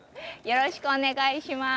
よろしくお願いします。